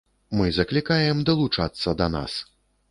Мы заклікаем далучацца да нас.